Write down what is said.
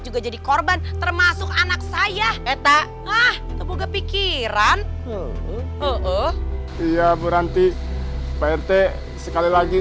juga jadi korban termasuk anak saya etak ah tepuk kepikiran eh iya buranti rt sekali lagi